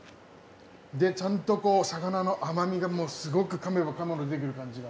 でちゃんと魚の甘みがすごく噛めば噛むほど出てくる感じが。